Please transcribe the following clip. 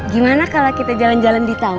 gimana kalau kita jalan jalan di tahun